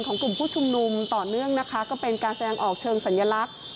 กลุ่มผู้ชุมนุมต่อเนื่องนะคะก็เป็นการแสดงออกเชิงสัญลักษณ์